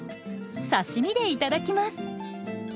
刺身でいただきます。